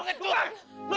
jangan lari dok